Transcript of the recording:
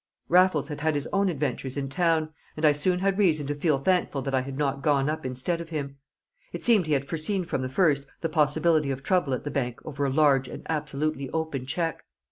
Raffles had had his own adventures in town, and I soon had reason to feel thankful that I had not gone up instead of him. It seemed he had foreseen from the first the possibility of trouble at the bank over a large and absolutely open cheque.